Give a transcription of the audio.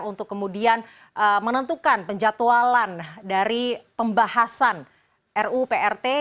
untuk kemudian menentukan penjatualan dari pembahasan ru prt